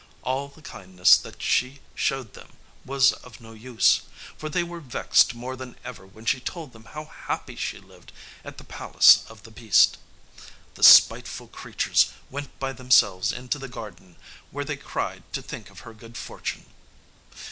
All the kindness that she showed them was of no use; for they were vexed more than ever when she told them how happy she lived at the palace of the beast. The spiteful creatures went by themselves into the garden, where they cried to think of her good fortune.